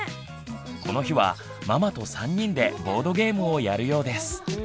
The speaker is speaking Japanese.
この日はママと３人でボードゲームをやるようです。